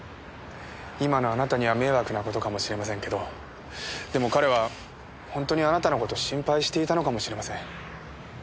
今のあなたには迷惑な事かもしれませんけどでも彼は本当にあなたの事を心配していたのかもしれません。